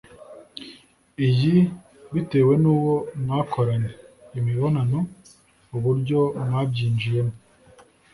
Iyi bitewe n’ uwo mwakoranye -imibonano uburyo mwabyinjiyemo